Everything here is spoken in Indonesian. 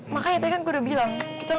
makanya tadi kan gue udah bilang